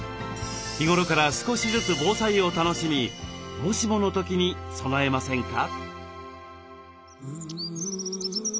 日頃から少しずつ防災を楽しみもしもの時に備えませんか？